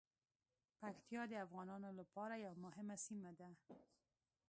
پکتیا د افغانانو لپاره یوه مهمه سیمه ده.